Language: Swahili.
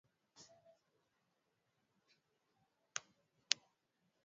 Takriban watu elfu mbili na nane hufa kila mwaka nchini Uganda kutokana na uchafuzi wa hali ya hewa.